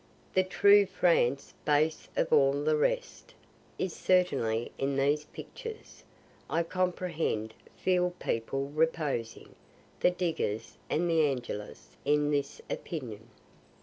The true France, base of all the rest, is certainly in these pictures. I comprehend "Field People Reposing," "the Diggers," and "the Angelus" in this opinion.